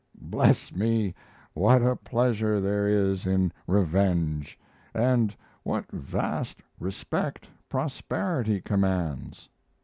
Bless me! what a pleasure there is in revenge! and what vast respect Prosperity commands!